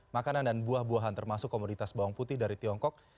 makanan dan buah buahan termasuk komoditas bawang putih dari tiongkok